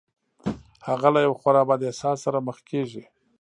هغه له يوه خورا بد احساس سره مخ کېږي.